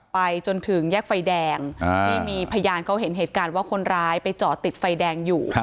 ไปจนถึงแยกไฟแดงที่มีพยานเขาเห็นเหตุการณ์ว่าคนร้ายไปจอดติดไฟแดงอยู่